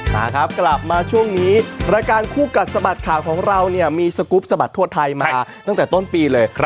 มาครับกลับมาช่วงนี้รายการคู่กัดสะบัดข่าวของเราเนี่ยมีสกรูปสะบัดทั่วไทยมาตั้งแต่ต้นปีเลย